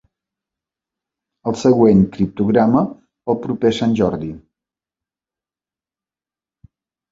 El següent criptograma, el proper sant Jordi.